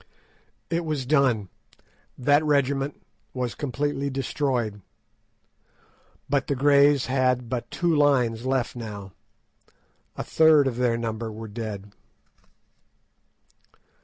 It was done; that regiment was completely destroyed, but the Greys had but two lines left now; a third of their number were dead.